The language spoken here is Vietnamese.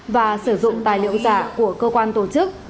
và sử dụng tài liệu giả của cơ quan tổ chức